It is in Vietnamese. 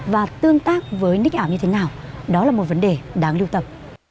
và tương tác với nick ảo như thế nào đó là một vấn đề đáng lưu tâm